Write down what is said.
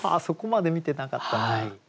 そこまで見てなかったな。